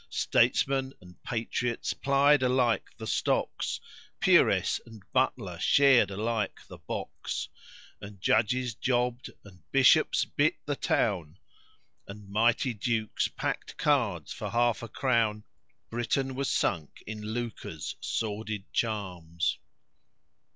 Statesmen and patriots plied alike the stocks, Peeress and butler shared alike the box; And judges jobbed, and bishops bit the town, And mighty dukes packed cards for half a crown: Britain was sunk in lucre's sordid charms.